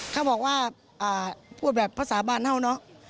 เขาบอกว่าพูดแบบภาษาบานเน่าเนาะ